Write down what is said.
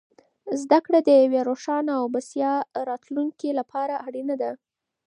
زده کړه د یوې روښانه او بسیا راتلونکې لپاره اړینه ده.